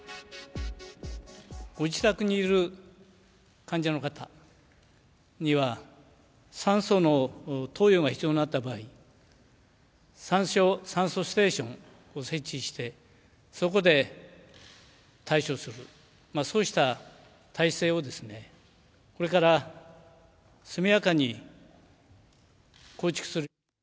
ご自宅にいる患者の方には、酸素の投与が必要になった場合、酸素ステーションを設置して、そこで対処する、そうした体制をこれから速やかに構築する。